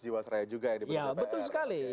jiwasraya juga ya ya betul sekali